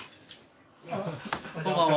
こんばんは。